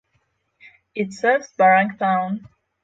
It serves Barang town.